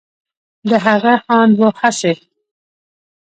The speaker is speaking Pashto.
د هغې هاند و هڅې